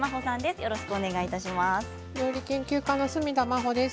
よろしくお願いします。